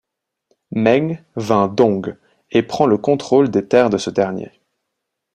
Meng vainc Dong et prend le contrôle des terres de ce derniers.